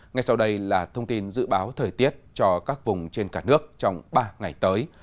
ngay sau đây là thông tin dự báo thời tiết cho các vùng trên cả nước trong ba ngày tới